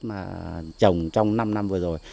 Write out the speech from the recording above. mà trồng trong năm năm vừa rồi